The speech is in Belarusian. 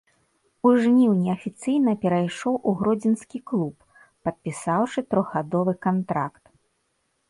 У жніўні афіцыйна перайшоў у гродзенскі клуб, падпісаўшы трохгадовы кантракт.